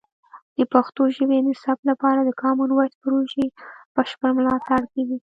د پښتو ژبې د ثبت لپاره د کامن وایس پروژې بشپړ ملاتړ کیږي.